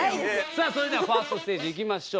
さあそれではファーストステージいきましょう。